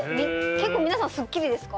結構皆さんすっきりですか？